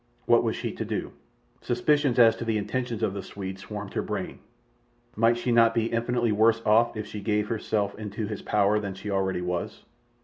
What was she to do? Suspicions as to the intentions of the Swede swarmed her brain. Might she not be infinitely worse off if she gave herself into his power than she already was?